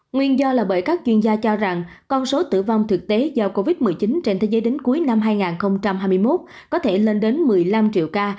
nguyên do là bởi các chuyên gia cho rằng con số tử vong thực tế do covid một mươi chín trên thế giới đến cuối năm hai nghìn hai mươi một có thể lên đến một mươi năm triệu ca